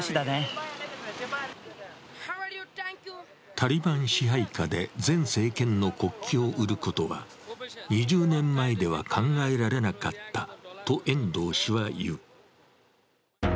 タリバン支配下で前政権の国旗を売ることは２０年前では考えられなかったと遠藤氏は言う。